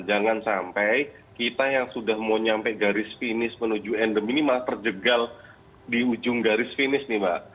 jangan sampai kita yang sudah mau nyampe garis finish menuju endem ini malah terjegal di ujung garis finish nih mbak